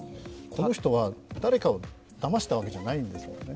この人は誰かをだましたわけじゃないんですよね。